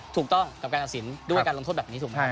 ถูกต้องกับการการสินด้วยการลงศัพท์แบบนี้ใช่มั้ย